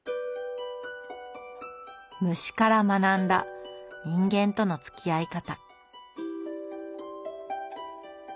虫から学んだ人間とのつきあい方。